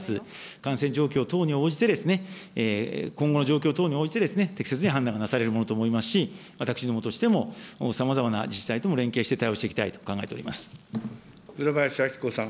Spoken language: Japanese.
感染状況等に応じて、今後の状況等に応じて適切に判断がなされるものと思いますし、私どもとしてもさまざまな自治体とも連携して対応していきたいと倉林明子さん。